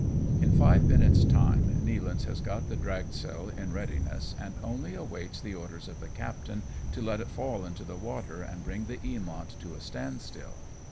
In five minutes' time Nealance has got the dragsail in readiness, and only awaits the orders of the captain to let it fall into the water, and bring the Eamont to a standstill.